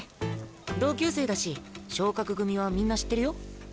同級生だし昇格組はみんな知ってるよ。